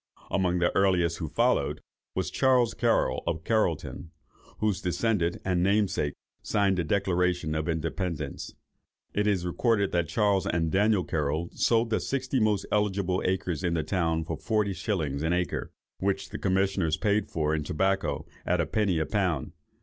Among the earliest who followed, was Charles Carroll, of Carrollton, whose descendant and namesake signed the Declaration of Independence. It is recorded that Charles and Daniel Carroll sold the sixty most eligible acres in the town for forty shillings an acre, which the commissioners paid for in tobacco, at a penny a pound.